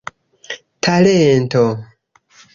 talento